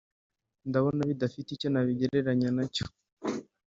ndabona bidafite icyo nabigereranya nacyo